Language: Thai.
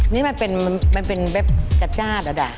นี่มันเป็นเว็บจ้าระดาษ